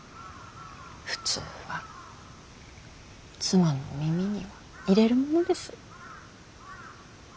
普通は妻の耳には入れるものです。